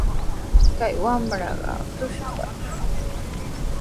Kay wamraqa tushupatrami.